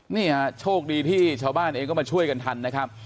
นี่ฮะโชคดีที่ชาวบ้านเองก็มาช่วยกันทันนะครับ